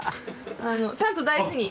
ちゃんと大事に。